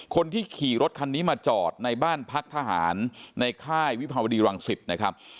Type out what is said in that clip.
คนที่ขี่รถคันนี้มาจอดในบ้านพักทหารในค่ายวิภาวดีรังสิตนะครับ